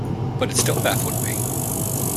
But it still baffled me.